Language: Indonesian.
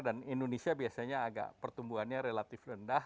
dan indonesia biasanya agak pertumbuhannya relatif rendah